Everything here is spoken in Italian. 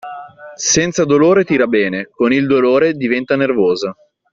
Senza dolore tira bene, con il dolore diventa nervosa.